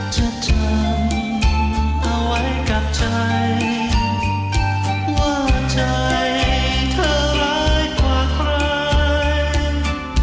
จะจำเอาไว้กับใจว่าใจเธอร้ายกว่าใคร